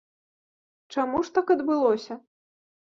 Чаму ж так адбылося?